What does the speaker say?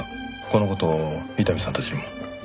この事伊丹さんたちにも。